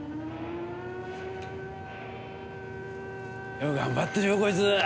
よく頑張ってるよこいつ。